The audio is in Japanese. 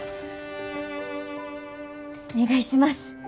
お願いします。